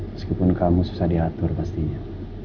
meskipun kamu susah diatur pastinya